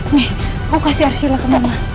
nih aku kasih arsila ke mama